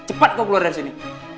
cepat kau keluar dari sini